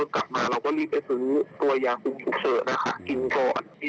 เรารู้สึกอายไม่กล้าพูดออกมาไม่อยากให้ใครรู้เรื่องนี้